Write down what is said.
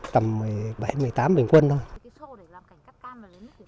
tầm một mươi bảy một mươi tám bình quân thôi